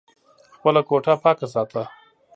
خپله کوټه پاکه ساته !